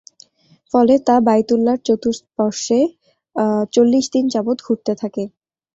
ফলে তা বায়তুল্লাহর চতুষ্পর্শ্বে চল্লিশ দিন যাবত ঘুরতে থাকে।